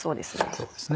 そうですね